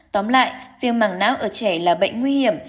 tóm lại viêm mảng não ở trẻ là bệnh nguy hiểm